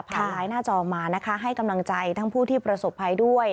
ไลน์หน้าจอมานะคะให้กำลังใจทั้งผู้ที่ประสบภัยด้วย